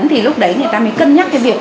thì lúc đấy người ta mới cân nhắc cái việc